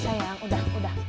sayang udah udah